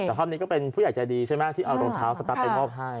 แต่คราวนี้ก็เป็นผู้อยากจะดีใช่ไหมที่เอารถเท้าสตาร์ทไปมอบให้